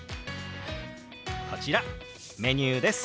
こちらメニューです。